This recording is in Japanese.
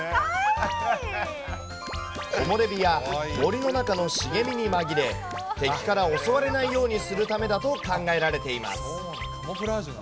木漏れ日や森の中の茂みに紛れ、敵から襲われないようにするためだと考えられています。